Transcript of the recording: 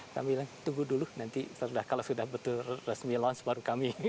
kami bilang tunggu dulu nanti kalau sudah betul resmi launch baru kami